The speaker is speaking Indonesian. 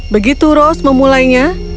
begitu rose memulainya